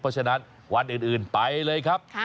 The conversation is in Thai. เพราะฉะนั้นวันอื่นไปเลยครับ